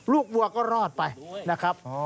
วัวก็รอดไปนะครับ